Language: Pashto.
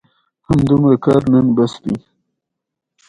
تالابونه د افغانستان د صنعت لپاره مواد برابروي.